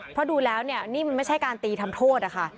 เพราะดูแล้วเนี่ยนี่มันไม่ใช่การตีทำโทษนะคะ